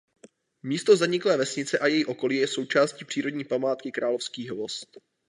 Místo zaniklé vesnice a její okolí je součástí přírodní památky Královský hvozd.